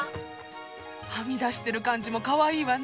はみ出してる感じもかわいいわね。